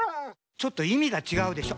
ちょっといみがちがうでしょ。